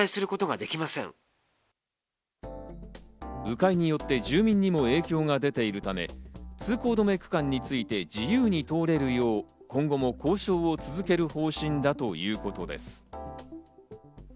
迂回によって住民にも影響が出ているため、通行止め区間について自由に通れるよう、今後も交渉を続ける方針だということです。